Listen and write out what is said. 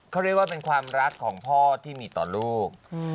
เขาเรียกว่าเป็นความรักของพ่อที่มีต่อลูก